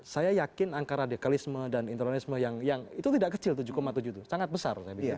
saya yakin angka radikalisme dan interonisme yang itu tidak kecil tujuh tujuh itu sangat besar saya pikir